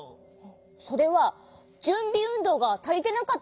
それはじゅんびうんどうがたりてなかったんじゃない？